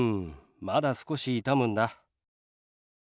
まだ少し痛むんだ。